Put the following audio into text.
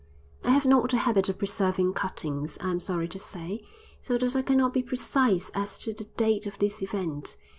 I have not the habit of preserving cuttings, I am sorry to say, so that I cannot be precise as to the date of this event.